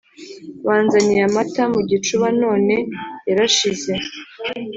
Banzaniye amata mugicuba none yarashize